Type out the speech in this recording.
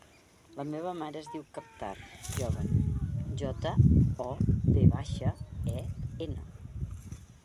La meva mare es diu Kawtar Joven: jota, o, ve baixa, e, ena.